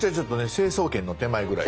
成層圏の手前ぐらい。